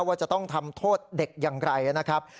ว่าจะต้องทำโทษเด็กอย่างไรนะครับ